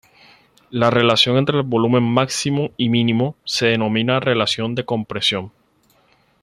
La relación entre el volumen máximo y mínimo se denomina relación de compresión.